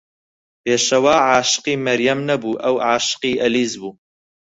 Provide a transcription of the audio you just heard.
پێشەوا عاشقی مەریەم نەبوو، ئەو عاشقی ئەلیس بوو.